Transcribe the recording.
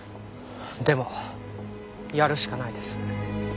でもやるしかないです。